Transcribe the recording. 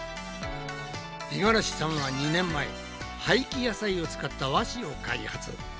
五十嵐さんは２年前廃棄野菜を使った和紙を開発。